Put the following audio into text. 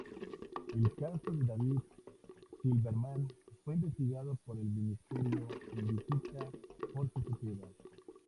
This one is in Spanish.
El caso de David Silberman fue investigado por el Ministro en Visita Jorge Zepeda.